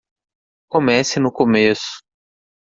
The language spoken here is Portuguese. Comece no começo.